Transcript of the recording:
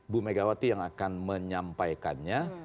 bu megawati yang akan menyampaikannya